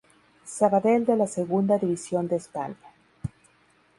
Sabadell de la Segunda División de España.